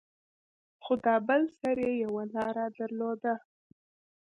خو دا بل سر يې يوه لاره درلوده.